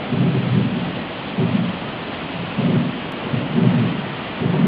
sababu hakuna wanaoweza kufundisha kile ambacho kamwe